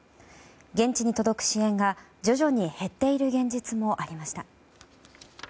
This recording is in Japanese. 現地に届く支援が、徐々に減っている現実もありました。